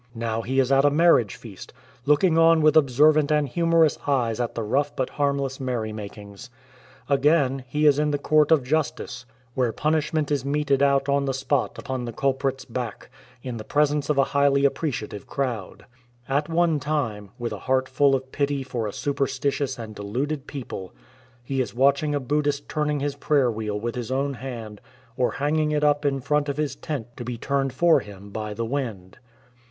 Now he is at a marriage feast, looking on with observant and humorous eyes at the rough but harmless merry makings. Again, he is in a court of justice, where punishment is meted out on the spot upon the culprit's back, in the presence of a highly appreciative crowd. At one time, with a heart full of pity for a superstitious and deluded people, he is watching a Buddhist turning his praying wheel with his own hand or hanging it up in front of his tent to be turned for him by the wind.